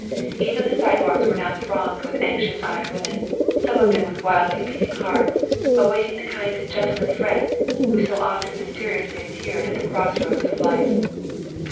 Even the sidewalks were now thronged with anxious eyed women, some of them with wildly beating hearts, awaiting the kind "gentleman friend" who so often mysteriously appears at the cross roads of Life.